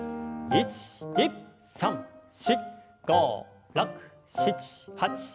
１２３４５６７８。